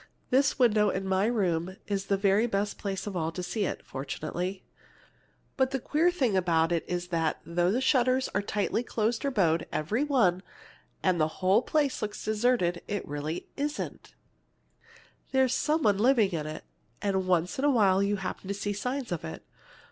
This window in my room is the very best place of all to see it fortunately. "But the queer thing about it is that, though the shutters are all tightly closed or bowed, every one! and the whole place looks deserted, it really isn't! There's some one living in it; and once in a long while you happen to see signs of it.